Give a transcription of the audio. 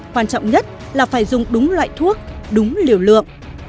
quan trọng nhất là phải dùng đúng loại thuốc đúng liều lượng